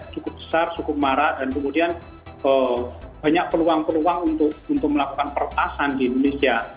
cukup besar cukup marak dan kemudian banyak peluang peluang untuk melakukan peretasan di indonesia